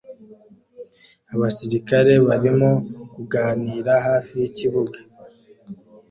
Abasirikare barimo kuganira hafi yikibuga